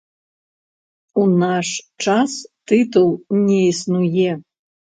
У наш час тытул не існуе.